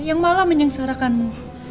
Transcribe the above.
yang malah menyengsarakanmu